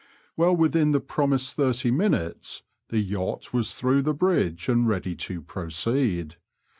Well within the promised thirty minutes the yacht was through the bridge and ready to proceed.